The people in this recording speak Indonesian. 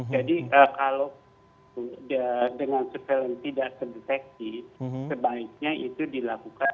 jadi kalau dengan surveillance tidak terdeteksi sebaiknya itu dilakukan